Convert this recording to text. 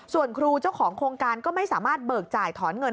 ส่วนครูเจ้าของโครงการก็ไม่สามารถเบิกจ่ายถอนเงิน